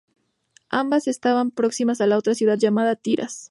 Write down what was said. Ambas estaban próximas a otra ciudad llamada Tiras.